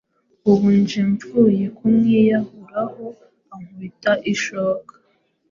ubu nje mvuye kumwiyahuraho ankubita ishoti,